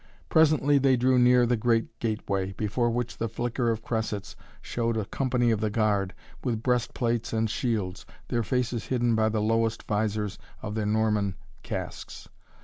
Presently they drew near the great gateway, before which the flicker of cressets showed a company of the guard, with breast plates and shields, their faces hidden by the lowered visors of their Norman casks.